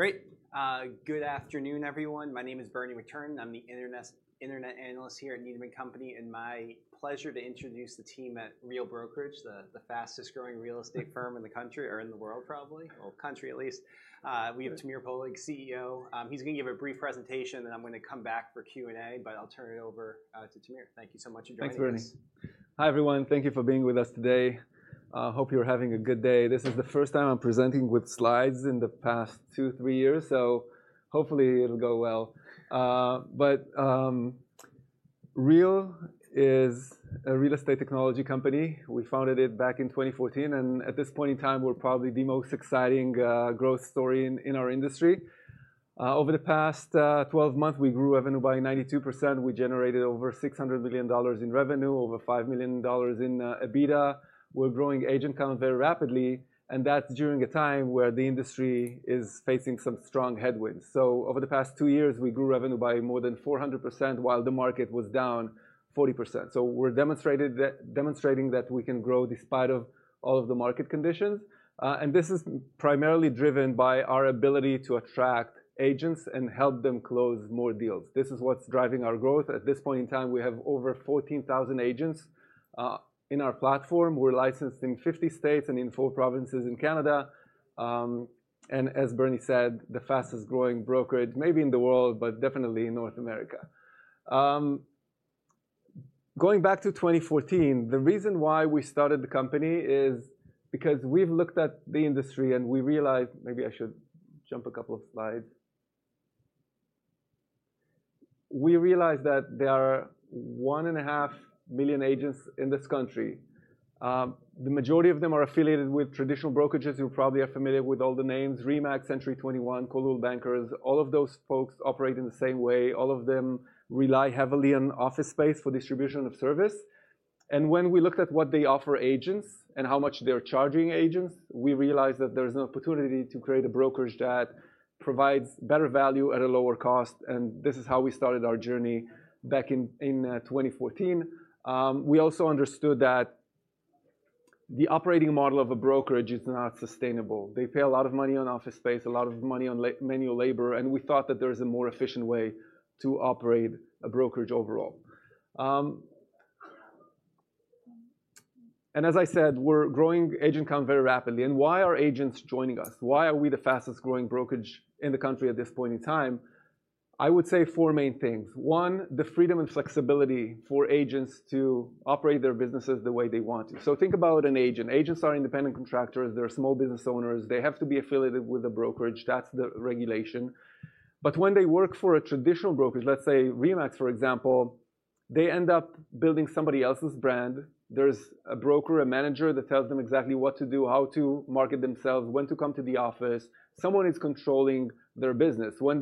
Great! Good afternoon, everyone. My name is Bernie McTernan. I'm the internet analyst here at Needham & Company, and it's my pleasure to introduce the team at Real Brokerage, the fastest-growing real estate firm in the country or in the world probably, or country at least. We have Tamir Poleg, CEO. He's going to give a brief presentation, and I'm going to come back for Q&A, but I'll turn it over to Tamir. Thank you so much for joining us. Thanks, Bernie. Hi, everyone. Thank you for being with us today. Hope you're having a good day. This is the first time I'm presenting with slides in the past two, three years, so hopefully it'll go well. But Real is a real estate technology company. We founded it back in 2014, and at this point in time, we're probably the most exciting growth story in our industry. Over the past 12 months, we grew revenue by 92%. We generated over $600 million in revenue, over $5 million in EBITDA. We're growing agent count very rapidly, and that's during a time where the industry is facing some strong headwinds. So over the past two years, we grew revenue by more than 400%, while the market was down 40%. We're demonstrating that we can grow despite of all of the market conditions. This is primarily driven by our ability to attract agents and help them close more deals. This is what's driving our growth. At this point in time, we have over 14,000 agents in our platform. We're licensed in 50 states and in four provinces in Canada. As Bernie said, the fastest-growing brokerage, maybe in the world, but definitely in North America. Going back to 2014, the reason why we started the company is because we've looked at the industry, and we realized... Maybe I should jump a couple of slides. We realized that there are 1.5 million agents in this country. The majority of them are affiliated with traditional brokerages. You probably are familiar with all the names, RE/MAX, Century 21, Coldwell Banker. All of those folks operate in the same way. All of them rely heavily on office space for distribution of service. And when we looked at what they offer agents and how much they're charging agents, we realized that there is an opportunity to create a brokerage that provides better value at a lower cost, and this is how we started our journey back in 2014. We also understood that the operating model of a brokerage is not sustainable. They pay a lot of money on office space, a lot of money on manual labor, and we thought that there is a more efficient way to operate a brokerage overall. And as I said, we're growing agent count very rapidly. And why are agents joining us? Why are we the fastest-growing brokerage in the country at this point in time? I would say four main things. One, the freedom and flexibility for agents to operate their businesses the way they want to. So think about an agent. Agents are independent contractors. They're small business owners. They have to be affiliated with a brokerage. That's the regulation. But when they work for a traditional brokerage, let's say RE/MAX, for example, they end up building somebody else's brand. There's a broker, a manager, that tells them exactly what to do, how to market themselves, when to come to the office. Someone is controlling their business. When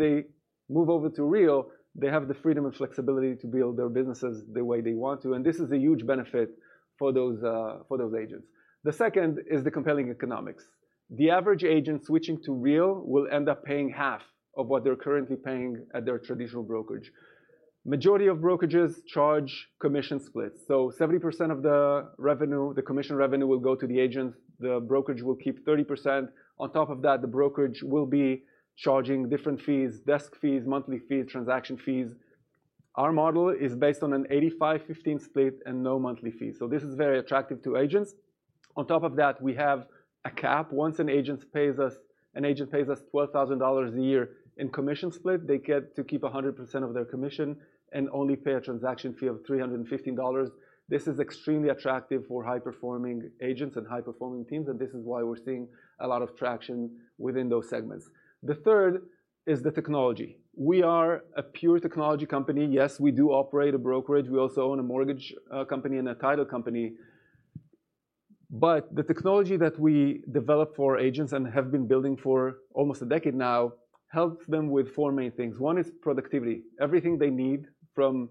they move over to Real, they have the freedom and flexibility to build their businesses the way they want to, and this is a huge benefit for those agents. The second is the compelling economics. The average agent switching to Real will end up paying half of what they're currently paying at their traditional brokerage. Majority of brokerages charge commission splits, so 70% of the revenue, the commission revenue, will go to the agent. The brokerage will keep 30%. On top of that, the brokerage will be charging different fees, desk fees, monthly fees, transaction fees. Our model is based on an 85/15 split and no monthly fees, so this is very attractive to agents. On top of that, we have a cap. Once an agent pays us $12,000 a year in commission split, they get to keep 100% of their commission and only pay a transaction fee of $315. This is extremely attractive for high-performing agents and high-performing teams, and this is why we're seeing a lot of traction within those segments. The third is the technology. We are a pure technology company. Yes, we do operate a brokerage. We also own a mortgage company and a title company. But the technology that we developed for our agents and have been building for almost a decade now, helps them with four main things. One is productivity. Everything they need, from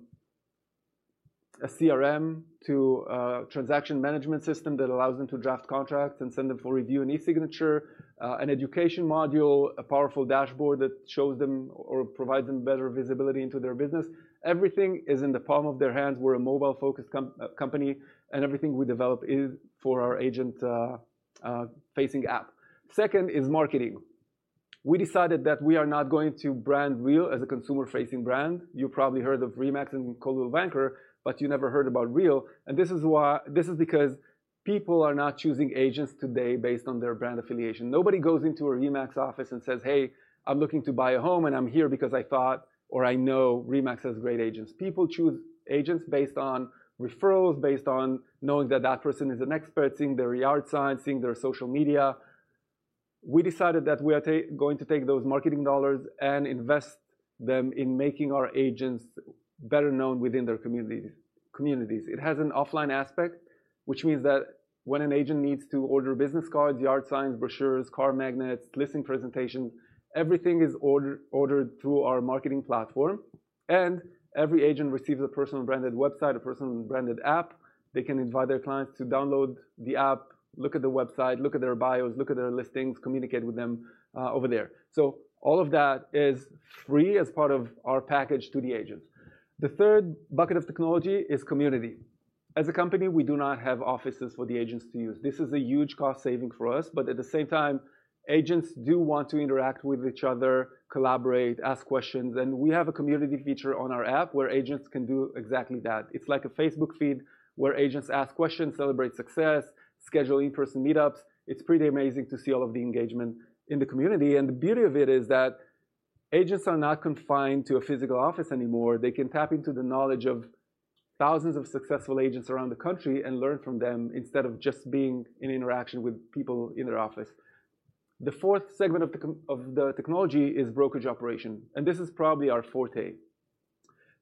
a CRM to a transaction management system that allows them to draft contracts and send them for review and e-signature, an education module, a powerful dashboard that shows them or provides them better visibility into their business. Everything is in the palm of their hands. We're a mobile-focused company, and everything we develop is for our agent-facing app. Second is marketing. We decided that we are not going to brand Real as a consumer-facing brand. You probably heard of RE/MAX and Coldwell Banker, but you never heard about Real, and this is why... This is because people are not choosing agents today based on their brand affiliation. Nobody goes into a RE/MAX office and says, "Hey, I'm looking to buy a home, and I'm here because I thought, or I know RE/MAX has great agents." People choose agents based on referrals, based on knowing that that person is an expert, seeing their yard sign, seeing their social media. We decided that we are going to take those marketing dollars and invest them in making our agents better known within their community, communities. It has an offline aspect, which means that when an agent needs to order business cards, yard signs, brochures, car magnets, listing presentations, everything ordered through our marketing platform, and every agent receives a personally branded website, a personally branded app. They can invite their clients to download the app, look at the website, look at their bios, look at their listings, communicate with them over there. So all of that is free as part of our package to the agents. The third bucket of technology is community. As a company, we do not have offices for the agents to use. This is a huge cost saving for us, but at the same time, agents do want to interact with each other, collaborate, ask questions, and we have a community feature on our app where agents can do exactly that. It's like a Facebook feed, where agents ask questions, celebrate success, schedule in-person meetups. It's pretty amazing to see all of the engagement in the community, and the beauty of it is that agents are not confined to a physical office anymore. They can tap into the knowledge of thousands of successful agents around the country and learn from them, instead of just being in interaction with people in their office. The fourth segment of the component of the technology is brokerage operation, and this is probably our forte.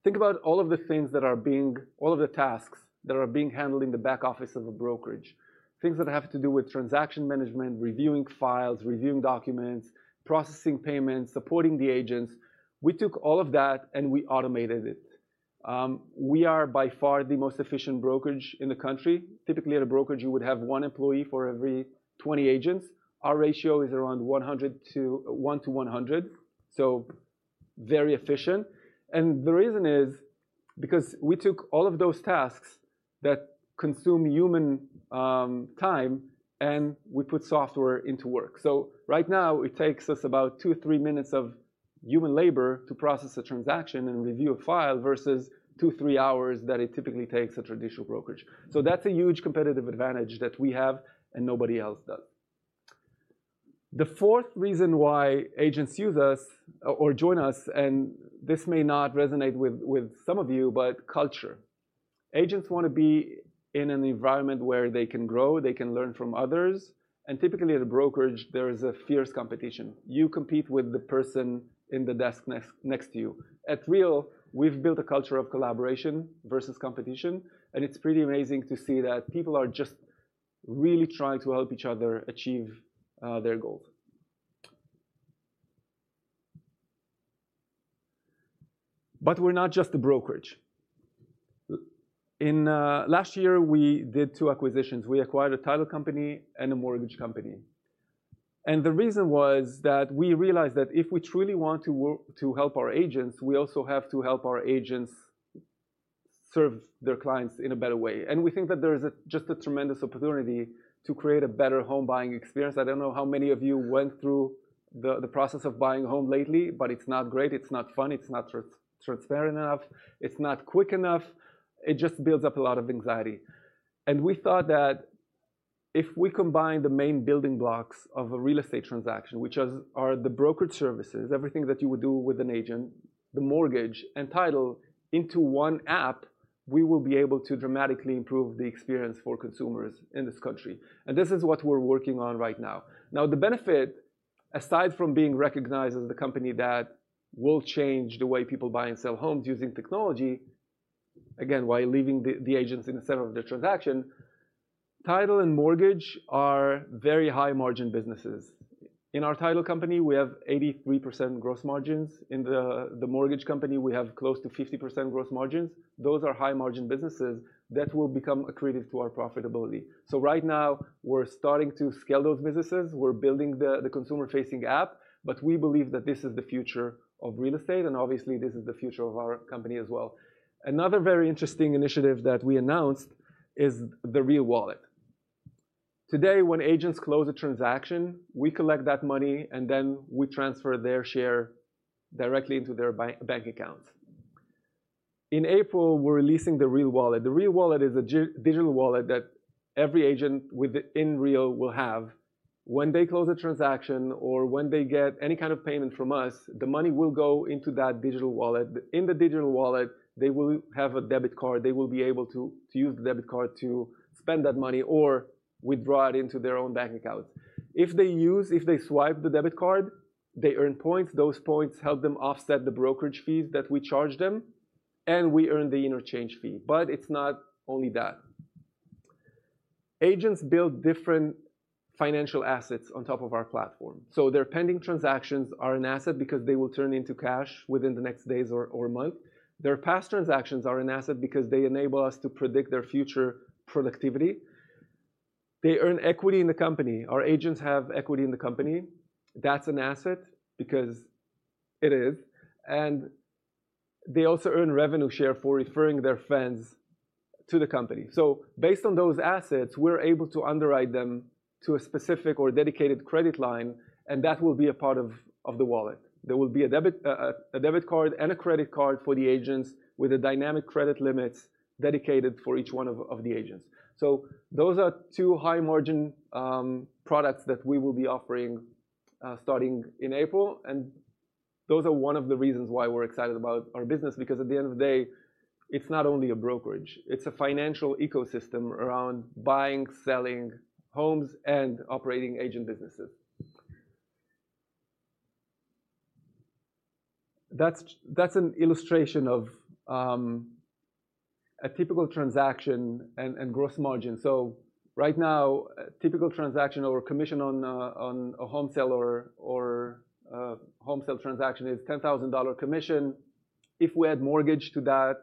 Think about all of the things that are being... all of the tasks that are being handled in the back office of a brokerage. Things that have to do with transaction management, reviewing files, reviewing documents, processing payments, supporting the agents. We took all of that, and we automated it. We are by far the most efficient brokerage in the country. Typically, at a brokerage, you would have one employee for every 20 agents. Our ratio is around 1 to 100, so very efficient. And the reason is because we took all of those tasks that consume human time, and we put software into work. So right now, it takes us about two-three minutes of human labor to process a transaction and review a file, versus two-three hours that it typically takes a traditional brokerage. So that's a huge competitive advantage that we have and nobody else does. The fourth reason why agents use us, or join us, and this may not resonate with some of you, but culture. Agents want to be in an environment where they can grow, they can learn from others, and typically at a brokerage, there is a fierce competition. You compete with the person in the desk next to you. At Real, we've built a culture of collaboration versus competition, and it's pretty amazing to see that people are just really trying to help each other achieve their goals. But we're not just a brokerage. In last year, we did two acquisitions. We acquired a title company and a mortgage company. And the reason was that we realized that if we truly want to work to help our agents, we also have to help our agents serve their clients in a better way. And we think that there is a just a tremendous opportunity to create a better home buying experience. I don't know how many of you went through the process of buying a home lately, but it's not great, it's not fun, it's not transparent enough, it's not quick enough. It just builds up a lot of anxiety. And we thought that if we combine the main building blocks of a real estate transaction, which are the brokerage services, everything that you would do with an agent, the mortgage and title into one app, we will be able to dramatically improve the experience for consumers in this country. And this is what we're working on right now. Now, the benefit, aside from being recognized as the company that will change the way people buy and sell homes using technology, again, while leaving the agents in the center of the transaction, title and mortgage are very high-margin businesses. In our title company, we have 83% gross margins. In the mortgage company, we have close to 50% gross margins. Those are high-margin businesses that will become accretive to our profitability. So right now, we're starting to scale those businesses. We're building the consumer-facing app, but we believe that this is the future of real estate, and obviously, this is the future of our company as well. Another very interesting initiative that we announced is the Real Wallet. Today, when agents close a transaction, we collect that money, and then we transfer their share directly into their bank account. In April, we're releasing the Real Wallet. The Real Wallet is a digital wallet that every agent in Real will have. When they close a transaction or when they get any kind of payment from us, the money will go into that digital wallet. In the digital wallet, they will have a debit card. They will be able to use the debit card to spend that money or withdraw it into their own bank accounts. If they swipe the debit card, they earn points. Those points help them offset the brokerage fees that we charge them, and we earn the interchange fee. But it's not only that. Agents build different financial assets on top of our platform, so their pending transactions are an asset because they will turn into cash within the next days or month. Their past transactions are an asset because they enable us to predict their future productivity. They earn equity in the company. Our agents have equity in the company. That's an asset because it is, and they also earn revenue share for referring their friends to the company. So based on those assets, we're able to underwrite them to a specific or dedicated credit line, and that will be a part of the wallet. There will be a debit card and a credit card for the agents with a dynamic credit limits dedicated for each one of the agents. So those are two high-margin products that we will be offering starting in April, and those are one of the reasons why we're excited about our business, because at the end of the day, it's not only a brokerage, it's a financial ecosystem around buying, selling homes, and operating agent businesses. That's an illustration of a typical transaction and gross margin. So right now, a typical transaction or commission on a home sale or a home sale transaction is $10,000 commission. If we add mortgage to that,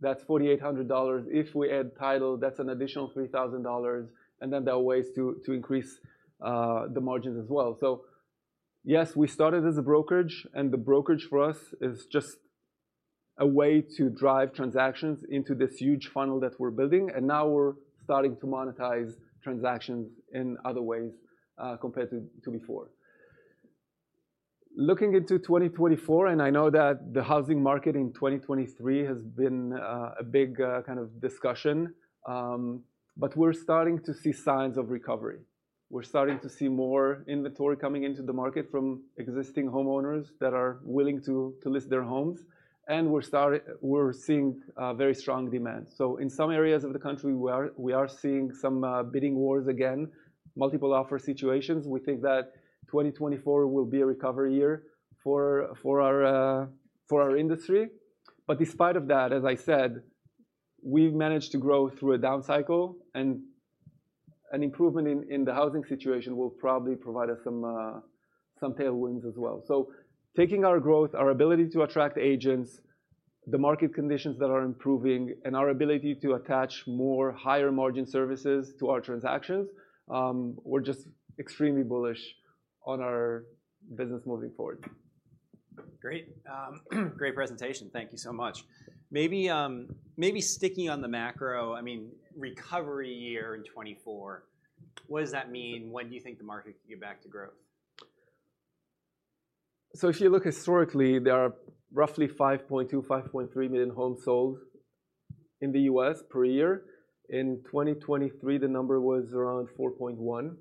that's $4,800. If we add title, that's an additional $3,000, and then there are ways to increase the margins as well. Yes, we started as a brokerage, and the brokerage for us is just a way to drive transactions into this huge funnel that we're building, and now we're starting to monetize transactions in other ways, compared to before. Looking into 2024, and I know that the housing market in 2023 has been a big kind of discussion, but we're starting to see signs of recovery. We're starting to see more inventory coming into the market from existing homeowners that are willing to list their homes, and we're seeing very strong demand. So in some areas of the country, we are seeing some bidding wars again, multiple offer situations. We think that 2024 will be a recovery year for our industry. But despite of that, as I said, we've managed to grow through a down cycle, and an improvement in the housing situation will probably provide us some tailwinds as well. So taking our growth, our ability to attract agents, the market conditions that are improving, and our ability to attach more higher margin services to our transactions, we're just extremely bullish on our business moving forward. Great. Great presentation. Thank you so much. Maybe sticking on the macro, I mean, recovery year in 2024, what does that mean? When do you think the market can get back to growth? So if you look historically, there are roughly 5.2-5.3 million homes sold in the U.S. per year. In 2023, the number was around 4.1,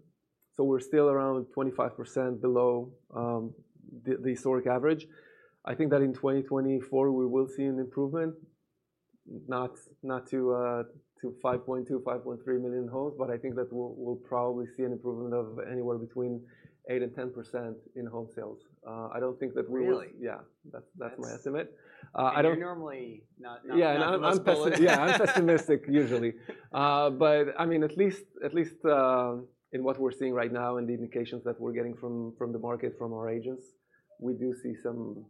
so we're still around 25% below the historic average. I think that in 2024, we will see an improvement, not to 5.2-5.3 million homes, but I think that we'll probably see an improvement of anywhere between 8%-10% in home sales. I don't think that we're- Really? Yeah. That's- That's-... my estimate. I don't- You're normally not the most bullish. Yeah, I'm pessimistic, usually. But, I mean, at least in what we're seeing right now and the indications that we're getting from the market, from our agents, we do see some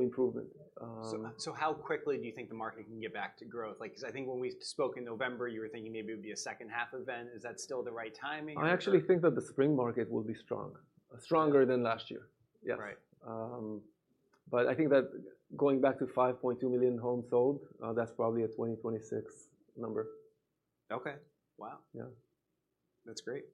improvement. So, how quickly do you think the market can get back to growth? Like, because I think when we spoke in November, you were thinking maybe it would be a second half event. Is that still the right timing, or? I actually think that the spring market will be strong, stronger than last year. Yes. Right. I think that going back to 5.2 million homes sold, that's probably a 2026 number. Okay. Wow! Yeah. That's great.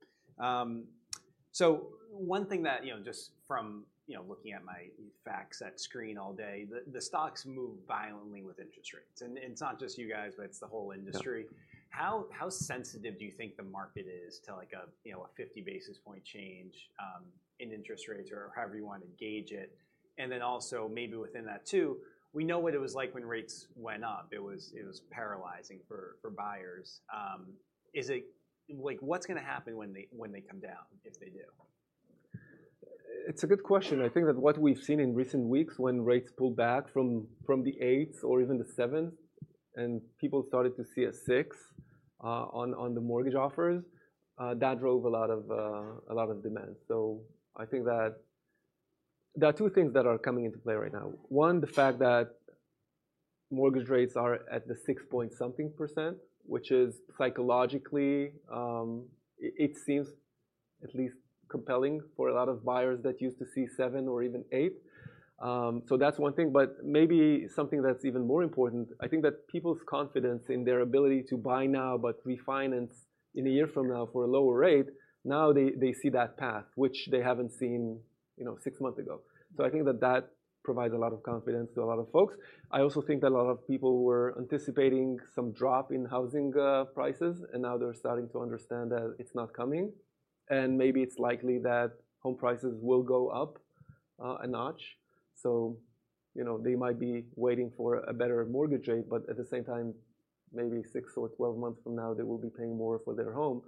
So one thing that, you know, just from, you know, looking at my facts and screen all day, the stocks move violently with interest rates. It's not just you guys, but it's the whole industry. Yeah. How sensitive do you think the market is to, like, a, you know, a 50 basis point change, in interest rates or however you want to gauge it? And then also, maybe within that too, we know what it was like when rates went up. It was paralyzing for buyers. Is it... Like, what's gonna happen when they come down, if they do? It's a good question. I think that what we've seen in recent weeks when rates pulled back from the 8s or even the 7s, and people started to see a six on the mortgage offers, that drove a lot of demand. So I think that there are two things that are coming into play right now. One, the fact that mortgage rates are at the 6-point-something%, which is psychologically, it seems at least compelling for a lot of buyers that used to see seven or even eight. So that's one thing, but maybe something that's even more important, I think that people's confidence in their ability to buy now, but refinance in a year from now for a lower rate, now they see that path, which they haven't seen, you know, six months ago. So I think that that provides a lot of confidence to a lot of folks. I also think that a lot of people were anticipating some drop in housing prices, and now they're starting to understand that it's not coming. And maybe it's likely that home prices will go up a notch. So, you know, they might be waiting for a better mortgage rate, but at the same time, maybe six or 12 months from now, they will be paying more for their home.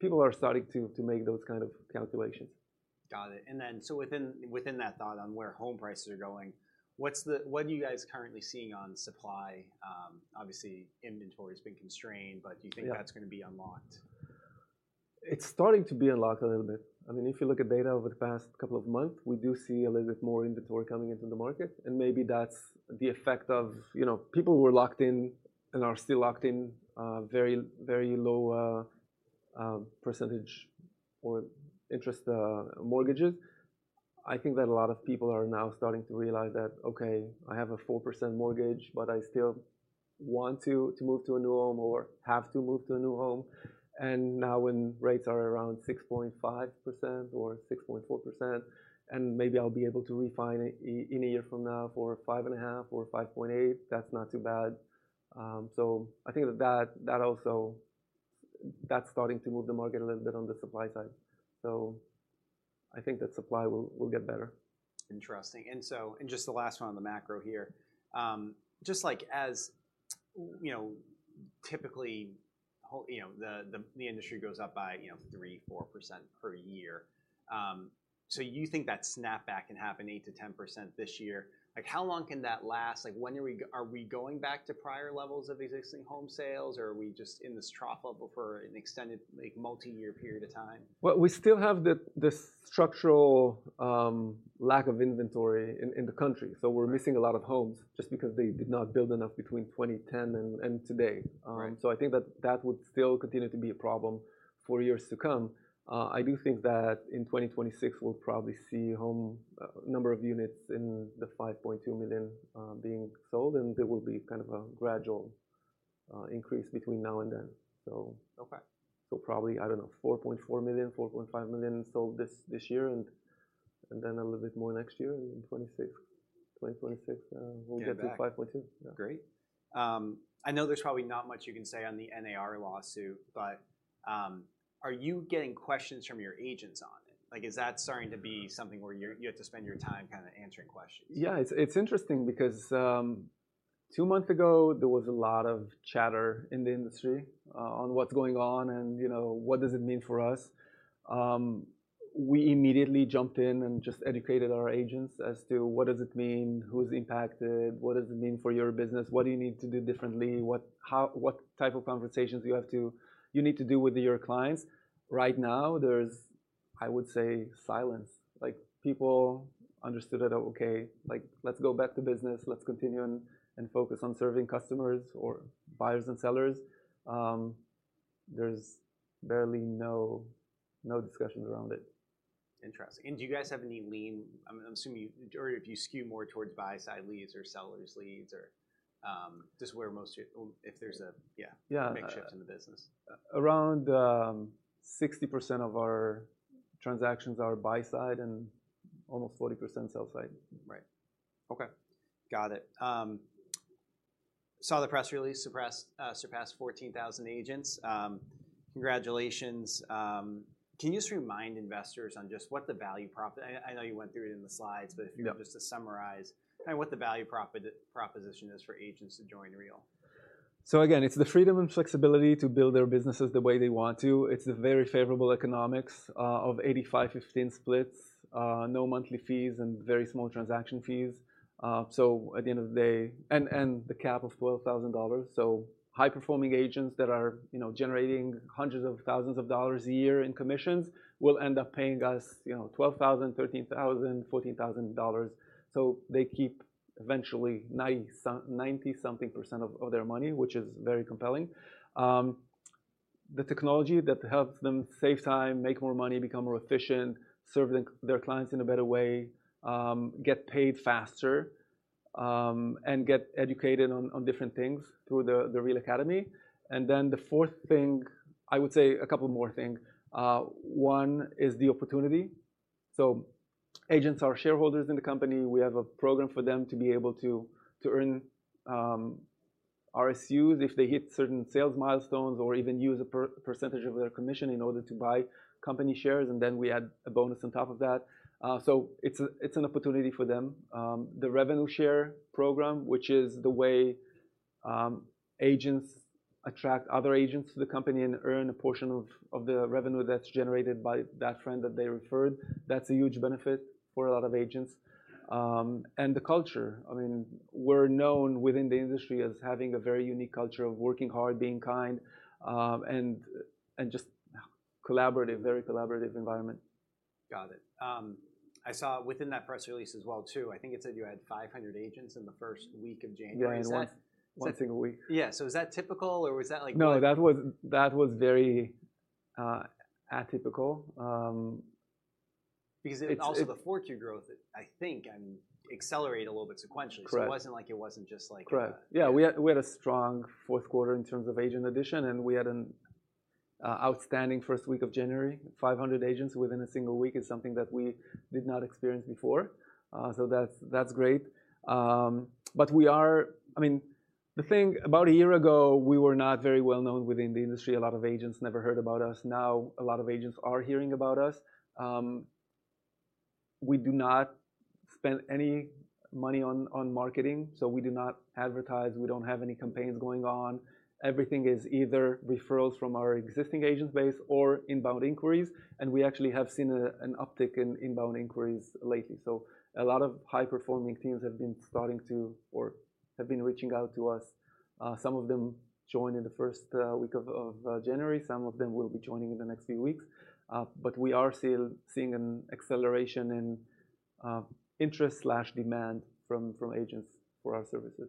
People are starting to to make those kind of calculations. Got it. And then, so within that thought on where home prices are going, what are you guys currently seeing on supply? Obviously, inventory's been constrained, but do you think- Yeah... that's gonna be unlocked? It's starting to be unlocked a little bit. I mean, if you look at data over the past couple of months, we do see a little bit more inventory coming into the market, and maybe that's the effect of, you know, people who were locked in and are still locked in, very, very low, percentage or interest, mortgages. I think that a lot of people are now starting to realize that, okay, I have a 4% mortgage, but I still want to, to move to a new home or have to move to a new home. And now, when rates are around 6.5% or 6.4%, and maybe I'll be able to refine it i- in a year from now for 5.5 or 5.8, that's not too bad. So, I think that also... That's starting to move the market a little bit on the supply side. So, I think that supply will get better. Interesting. So, just the last one on the macro here. Just like as, you know, typically, you know, the industry goes up by, you know, 3%-4% per year. So you think that snapback can happen 8%-10% this year. Like, how long can that last? Like, when are we going back to prior levels of existing home sales, or are we just in this trough level for an extended, like, multi-year period of time? Well, we still have the structural lack of inventory in the country, so we're missing a lot of homes just because they did not build enough between 2010 and today. Right. So I think that that would still continue to be a problem for years to come. I do think that in 2026, we'll probably see home number of units in the 5.2 million being sold, and there will be kind of a gradual increase between now and then, so. Okay. So probably, I don't know, 4.4 million-4.5 million sold this year, and then a little bit more next year in 2026. We'll get to 5.2. Get back. Yeah. Great. I know there's probably not much you can say on the NAR lawsuit, but, are you getting questions from your agents on it? Like, is that starting to be something where you have to spend your time kinda answering questions? Yeah, it's interesting because two months ago, there was a lot of chatter in the industry on what's going on, and you know, what does it mean for us? We immediately jumped in and just educated our agents as to what does it mean, who's impacted, what does it mean for your business, what do you need to do differently, what type of conversations you need to have with your clients? Right now, there's, I would say, silence. Like, people understood that, okay, like, let's go back to business, let's continue and focus on serving customers or buyers and sellers. There's barely no discussions around it. Interesting. And do you guys have any lean... I'm assuming you or do you skew more towards buy-side leads or sellers leads or, just where most of... If there's a- Yeah. Big shift in the business. Around 60% of our transactions are buy side and almost 40% sell side. Right. Okay, got it. Saw the press release, surpassed 14,000 agents. Congratulations. Can you just remind investors on just what the value prop... I know you went through it in the slides- Yeah... but if you want just to summarize kind of what the value proposition is for agents to join Real. So again, it's the freedom and flexibility to build their businesses the way they want to. It's a very favorable economics of 85/15 splits, no monthly fees, and very small transaction fees. So at the end of the day, and the cap of $12,000, so high-performing agents that are, you know, generating hundreds of thousands of dollars a year in commissions will end up paying us, you know, $12,000, $13,000, $14,000. So they keep eventually 90-something% of their money, which is very compelling. The technology that helps them save time, make more money, become more efficient, serve their clients in a better way, get paid faster, and get educated on different things through the Real Academy. And then the fourth thing—I would say a couple more thing. One is the opportunity. So agents are shareholders in the company. We have a program for them to be able to, to earn, RSUs if they hit certain sales milestones or even use a per- percentage of their commission in order to buy company shares, and then we add a bonus on top of that. So it's a, it's an opportunity for them. The revenue share program, which is the way, agents attract other agents to the company and earn a portion of, of the revenue that's generated by that friend that they referred. That's a huge benefit for a lot of agents. And the culture, I mean, we're known within the industry as having a very unique culture of working hard, being kind, and, and just collaborative, very collaborative environment. Got it. I saw within that press release as well, too, I think it said you had 500 agents in the first week of January. Yeah, in one- Is that- one single week. Yeah, so is that typical, or was that, like- No, that was, that was very atypical. It, it- Because also the fourth year growth, I think, accelerated a little bit sequentially. Correct. So it wasn't like it wasn't just, like, Correct. Yeah, we had a strong fourth quarter in terms of agent addition, and we had an outstanding first week of January. 500 agents within a single week is something that we did not experience before, so that's great. But we are... I mean, the thing about a year ago, we were not very well known within the industry. A lot of agents never heard about us. Now, a lot of agents are hearing about us. We do not spend any money on marketing, so we do not advertise, we don't have any campaigns going on. Everything is either referrals from our existing agent base or inbound inquiries, and we actually have seen an uptick in inbound inquiries lately. So a lot of high-performing teams have been starting to or have been reaching out to us. Some of them joined in the first week of January. Some of them will be joining in the next few weeks. But we are still seeing an acceleration in interest and demand from agents for our services.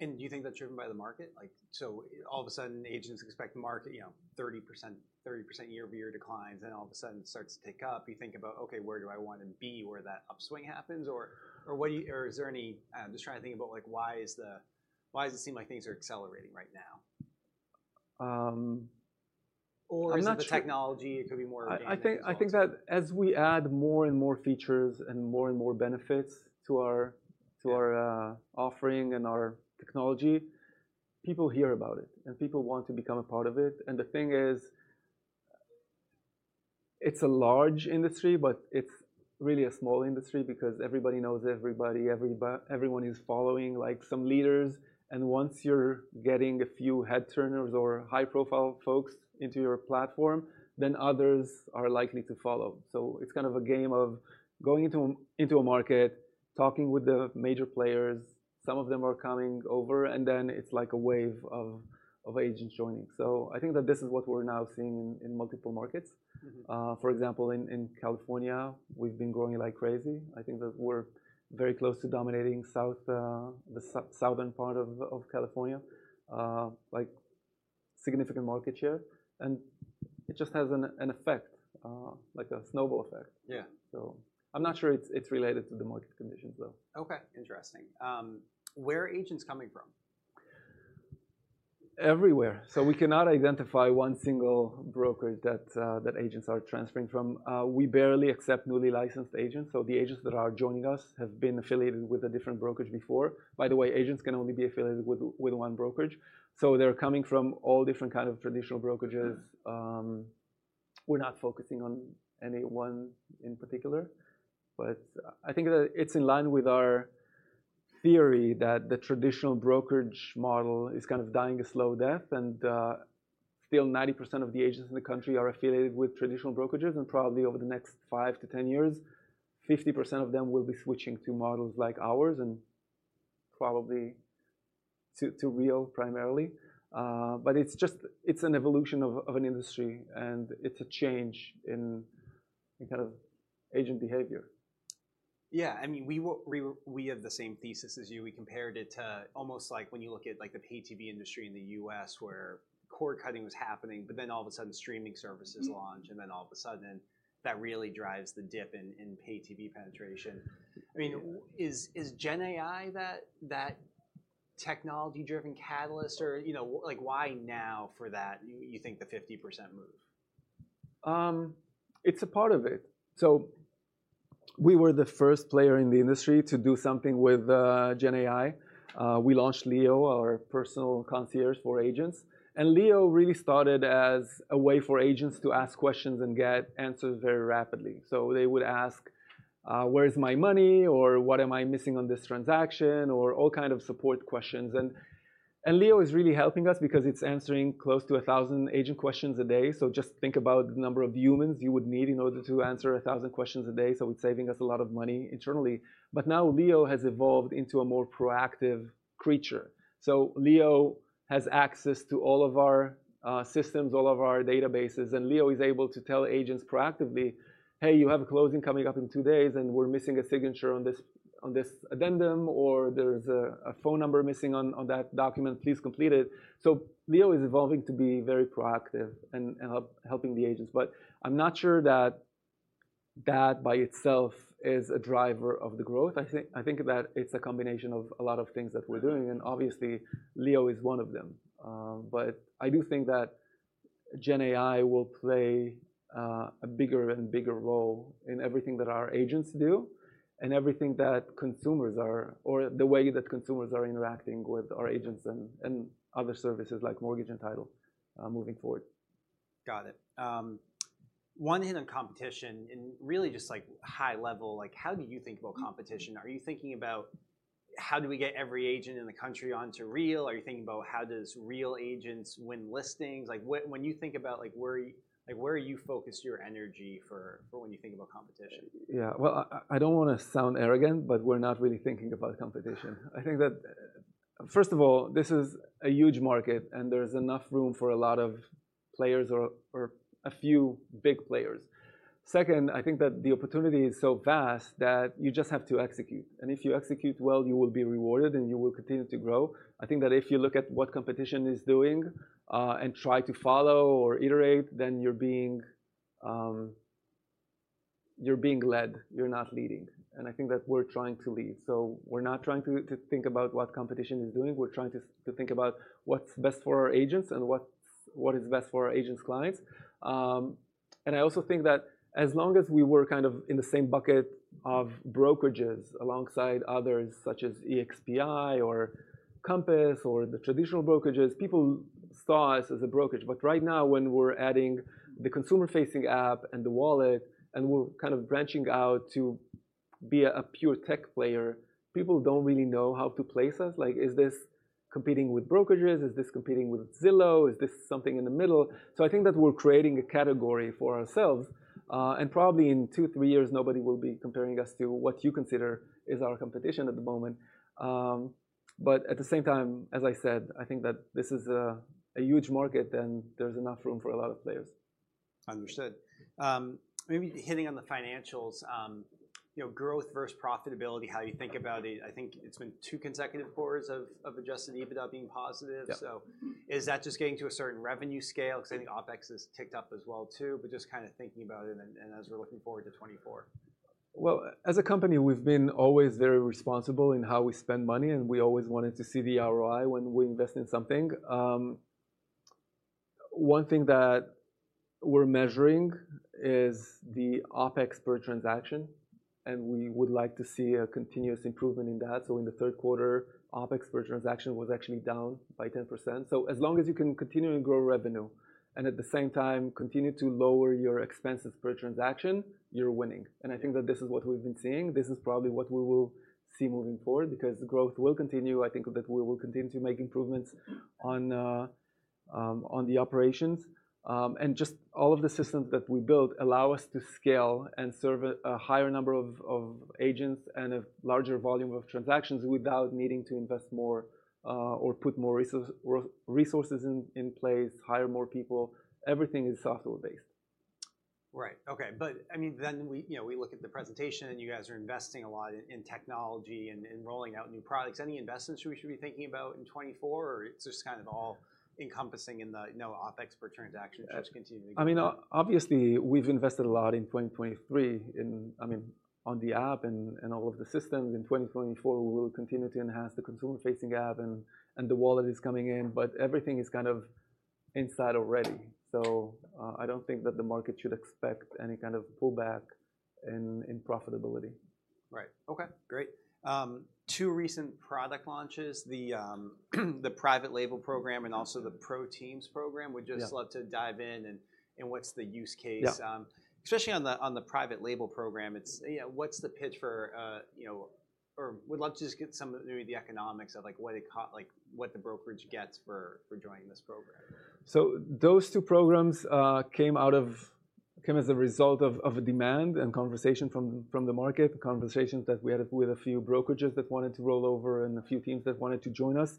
And do you think that's driven by the market? Like, so all of a sudden, agents expect market, you know, 30%, 30% year-over-year declines, and all of a sudden, it starts to tick up. You think about, "Okay, where do I want to be, where that upswing happens?" Or, or what do you- or is there any... I'm just trying to think about, like, why is the- why does it seem like things are accelerating right now? I'm not sure. Or is the technology, it could be more organic as well. I think that as we add more and more features and more and more benefits to our, to our- Yeah... offering and our technology, people hear about it, and people want to become a part of it. And the thing is, it's a large industry, but it's really a small industry because everybody knows everybody. Everyone is following, like, some leaders, and once you're getting a few head-turners or high-profile folks into your platform, then others are likely to follow. So it's kind of a game of going into a market, talking with the major players. Some of them are coming over, and then it's like a wave of agents joining. So I think that this is what we're now seeing in multiple markets. Mm-hmm. For example, in California, we've been growing like crazy. I think that we're very close to dominating the southern part of California, like significant market share. And it just has an effect, like a snowball effect. Yeah. I'm not sure it's related to the market conditions, though. Okay, interesting. Where are agents coming from? ... everywhere. So we cannot identify one single broker that agents are transferring from. We barely accept newly licensed agents, so the agents that are joining us have been affiliated with a different brokerage before. By the way, agents can only be affiliated with one brokerage, so they're coming from all different kind of traditional brokerages. We're not focusing on any one in particular, but I think that it's in line with our theory that the traditional brokerage model is kind of dying a slow death, and still 90% of the agents in the country are affiliated with traditional brokerages, and probably over the next 5-10 years, 50% of them will be switching to models like ours and probably to Real, primarily. But it's just an evolution of an industry, and it's a change in kind of agent behavior. Yeah, I mean, we have the same thesis as you. We compared it to almost like when you look at, like, the pay TV industry in the U.S., where cord-cutting was happening, but then all of a sudden streaming services launch- Mm-hmm. - And then all of a sudden that really drives the dip in pay TV penetration. I mean, is Gen AI that technology-driven catalyst or, you know, like why now for that you think the 50% move? It's a part of it. So we were the first player in the industry to do something with Gen AI. We launched Leo, our personal concierge for agents, and Leo really started as a way for agents to ask questions and get answers very rapidly. So they would ask, "Where is my money?" Or, "What am I missing on this transaction?" Or all kind of support questions. And Leo is really helping us because it's answering close to 1,000 agent questions a day. So just think about the number of humans you would need in order to answer 1,000 questions a day. So it's saving us a lot of money internally. But now Leo has evolved into a more proactive creature. So Leo has access to all of our systems, all of our databases, and Leo is able to tell agents proactively, "Hey, you have a closing coming up in two days, and we're missing a signature on this addendum," or, "There's a phone number missing on that document. Please complete it." So Leo is evolving to be very proactive and helping the agents. But I'm not sure that by itself is a driver of the growth. I think that it's a combination of a lot of things that we're doing, and obviously, Leo is one of them. But I do think that Gen AI will play a bigger and bigger role in everything that our agents do and everything that consumers are... or the way that consumers are interacting with our agents and, and other services like mortgage and title, moving forward. Got it. In a competition, and really just, like, high level, like, how do you think about competition? Are you thinking about how do we get every agent in the country onto Real? Are you thinking about how does Real agents win listings? Like, when you think about, like, where are you... Like, where are you focused your energy for when you think about competition? Yeah. Well, I don't wanna sound arrogant, but we're not really thinking about competition. I think that, first of all, this is a huge market, and there's enough room for a lot of players or a few big players. Second, I think that the opportunity is so vast that you just have to execute, and if you execute well, you will be rewarded, and you will continue to grow. I think that if you look at what competition is doing, and try to follow or iterate, then you're being led, you're not leading, and I think that we're trying to lead. So we're not trying to think about what competition is doing. We're trying to think about what's best for our agents and what is best for our agents' clients. And I also think that as long as we were kind of in the same bucket of brokerages alongside others, such as eXp or Compass or the traditional brokerages, people saw us as a brokerage. But right now, when we're adding the consumer-facing app and the wallet, and we're kind of branching out to be a, a pure tech player, people don't really know how to place us. Like, is this competing with brokerages? Is this competing with Zillow? Is this something in the middle? So I think that we're creating a category for ourselves, and probably in two, three years, nobody will be comparing us to what you consider is our competition at the moment. But at the same time, as I said, I think that this is a, a huge market, and there's enough room for a lot of players. Understood. Maybe hitting on the financials, you know, growth versus profitability, how you think about it. I think it's been two consecutive quarters of adjusted EBITDA being positive. Yep. Is that just getting to a certain revenue scale? Mm-hmm. 'Cause I think OpEx has ticked up as well too, but just kinda thinking about it and, and as we're looking forward to 2024. Well, as a company, we've been always very responsible in how we spend money, and we always wanted to see the ROI when we invest in something. One thing that we're measuring is the OpEx per transaction, and we would like to see a continuous improvement in that. So in the third quarter, OpEx per transaction was actually down by 10%. So as long as you can continue to grow revenue and at the same time continue to lower your expenses per transaction, you're winning, and I think that this is what we've been seeing. This is probably what we will see moving forward because growth will continue. I think that we will continue to make improvements on the operations. Just all of the systems that we build allow us to scale and serve a higher number of agents and a larger volume of transactions without needing to invest more, or put more resources in place, hire more people. Everything is software-based. Right. Okay, but, I mean, then we, you know, we look at the presentation, and you guys are investing a lot in, in technology and, and rolling out new products. Any investments we should be thinking about in 2024, or it's just kind of all-encompassing in the, no OpEx per transaction just continuing? I mean, obviously, we've invested a lot in 2023, I mean, on the app and all of the systems. In 2024, we will continue to enhance the consumer-facing app, and the wallet is coming in, but everything is kind of inside already. So, I don't think that the market should expect any kind of pullback in profitability. Right. Okay, great. Two recent product launches, the Private Label program and also the ProTeams program. Yeah. Would just love to dive in, and what's the use case? Yeah. Especially on the, on the Private Label program, it's... Yeah, what's the pitch for, you know, or would love to just get some of maybe the economics of, like, what it like, what the brokerage gets for, for joining this program. So those two programs came as a result of a demand and conversation from the market, conversations that we had with a few brokerages that wanted to roll over and a few teams that wanted to join us.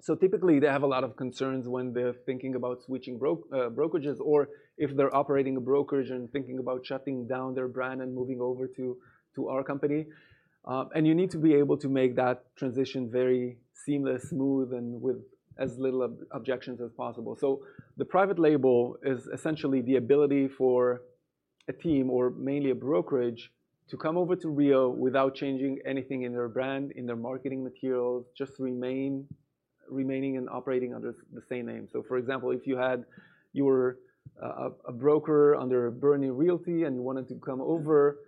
So typically, they have a lot of concerns when they're thinking about switching brokerages, or if they're operating a brokerage and thinking about shutting down their brand and moving over to our company. And you need to be able to make that transition very seamless, smooth, and with as little objections as possible. So the Private Label is essentially the ability for a team, or mainly a brokerage, to come over to Real without changing anything in their brand, in their marketing materials, just remaining and operating under the same name. So for example, if you were a broker under Berney Realty and you wanted to come over,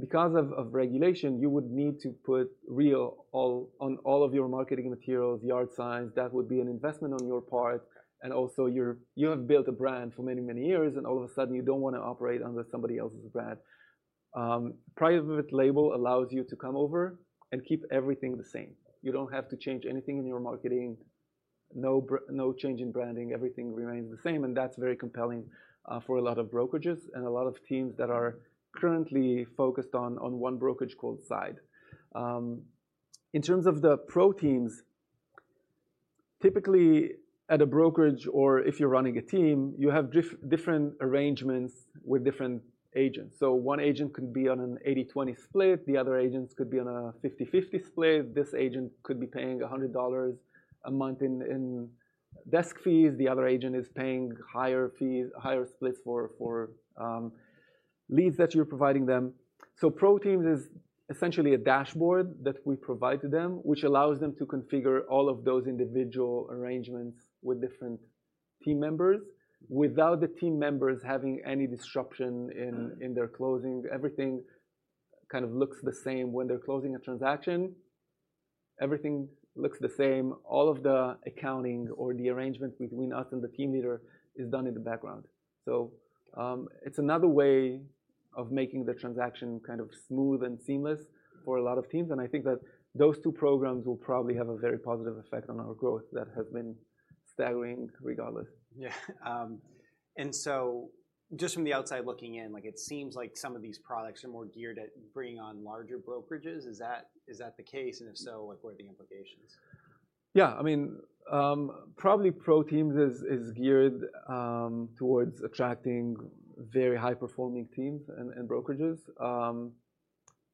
because of regulation, you would need to put Real on all of your marketing materials, yard signs. That would be an investment on your part, and also, you have built a brand for many, many years, and all of a sudden you don't wanna operate under somebody else's brand. Private Label allows you to come over and keep everything the same. You don't have to change anything in your marketing, no change in branding, everything remains the same, and that's very compelling for a lot of brokerages and a lot of teams that are currently focused on one brokerage called Side. In terms of the ProTeams, typically at a brokerage or if you're running a team, you have different arrangements with different agents. So one agent could be on an 80/20 split, the other agents could be on a 50/50 split. This agent could be paying $100 a month in desk fees, the other agent is paying higher fees, higher splits for leads that you're providing them. So ProTeams is essentially a dashboard that we provide to them, which allows them to configure all of those individual arrangements with different team members without the team members having any disruption in- Mm-hmm... in their closing. Everything kind of looks the same. When they're closing a transaction, everything looks the same. All of the accounting or the arrangement between us and the team leader is done in the background. So, it's another way of making the transaction kind of smooth and seamless for a lot of teams, and I think that those two programs will probably have a very positive effect on our growth that has been staggering regardless. Yeah. And so just from the outside looking in, like, it seems like some of these products are more geared at bringing on larger brokerages. Is that, is that the case? And if so, like, what are the implications? Yeah, I mean, probably ProTeams is geared towards attracting very high-performing teams and brokerages.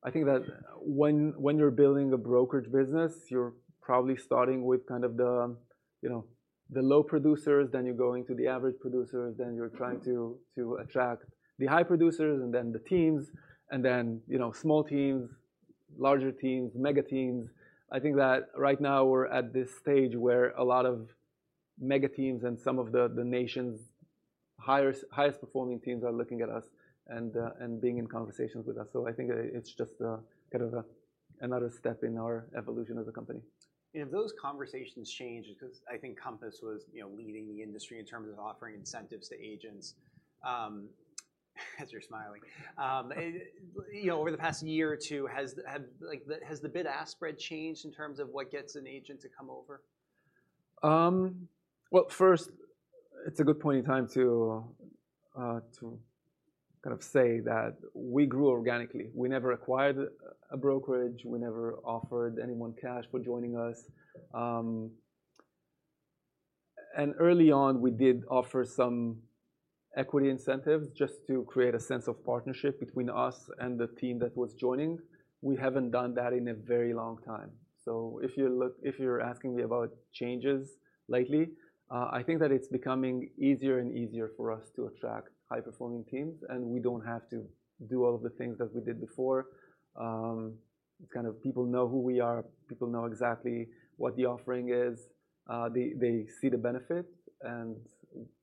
I think that when you're building a brokerage business, you're probably starting with kind of the, you know, the low producers, then you're going to the average producers, then you're trying to- Mm-hmm... to attract the high producers, and then the teams, and then, you know, small teams, larger teams, mega teams. I think that right now we're at this stage where a lot of mega teams and some of the nation's highest-performing teams are looking at us and being in conversations with us. So I think, it's just, kind of a another step in our evolution as a company. Have those conversations changed? Because I think Compass was, you know, leading the industry in terms of offering incentives to agents. As you're smiling, and you know, over the past year or two, like, has the bid-ask spread changed in terms of what gets an agent to come over? Well, first, it's a good point in time to kind of say that we grew organically. We never acquired a brokerage. We never offered anyone cash for joining us. And early on, we did offer some equity incentives just to create a sense of partnership between us and the team that was joining. We haven't done that in a very long time. So if you're asking me about changes lately, I think that it's becoming easier and easier for us to attract high-performing teams, and we don't have to do all of the things that we did before. It's kind of people know who we are, people know exactly what the offering is. They see the benefit, and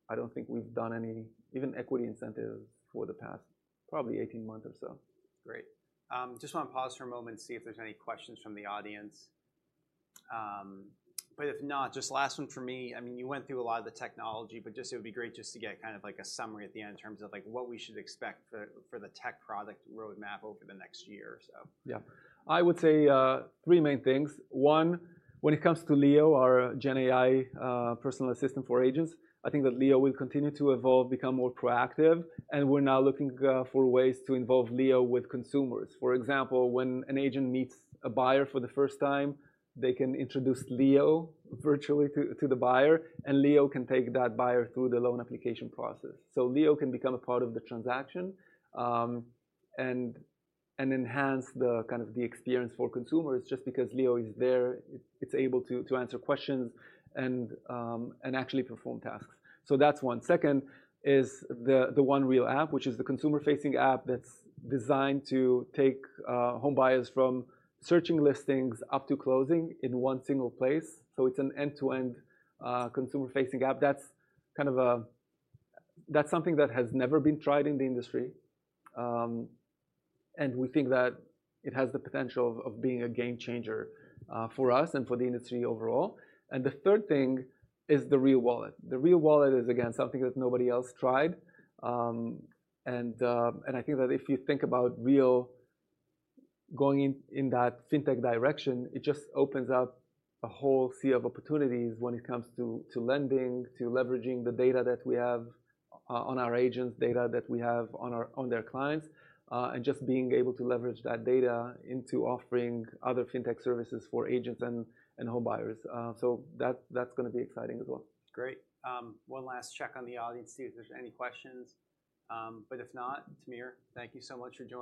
I don't think we've done any, even equity incentive for the past, probably 18 months or so. Great. Just wanna pause for a moment and see if there's any questions from the audience. But if not, just last one from me. I mean, you went through a lot of the technology, but just it would be great just to get kind of like a summary at the end in terms of, like, what we should expect for the tech product roadmap over the next year or so. Yeah. I would say three main things: One, when it comes to Leo, our Gen AI personal assistant for agents, I think that Leo will continue to evolve, become more proactive, and we're now looking for ways to involve Leo with consumers. For example, when an agent meets a buyer for the first time, they can introduce Leo virtually to the buyer, and Leo can take that buyer through the loan application process. So Leo can become a part of the transaction and enhance the kind of experience for consumers. Just because Leo is there, it's able to answer questions and actually perform tasks. So that's one. Second is the One Real app, which is the consumer-facing app that's designed to take home buyers from searching listings up to closing in one single place. So it's an end-to-end, consumer-facing app. That's kind of a... That's something that has never been tried in the industry, and we think that it has the potential of being a game changer, for us and for the industry overall. And the third thing is the Real Wallet. The Real Wallet is, again, something that nobody else tried. And I think that if you think about Real going in that fintech direction, it just opens up a whole sea of opportunities when it comes to lending, to leveraging the data that we have on our agents, data that we have on their clients, and just being able to leverage that data into offering other fintech services for agents and home buyers. So that's gonna be exciting as well. Great. One last check on the audience to see if there's any questions. But if not, Tamir, thank you so much for joining.